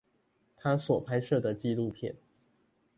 他所拍攝的紀錄片